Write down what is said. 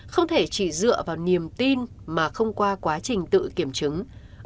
không thể chỉ dựa vào niềm tin mà không qua quá trình tự kiểm chứng